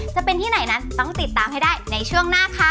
จะเป็นที่ไหนนั้นต้องติดตามให้ได้ในช่วงหน้าค่ะ